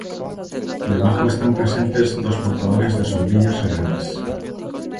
Debajo están presentes dos portadores de sombrillas reales.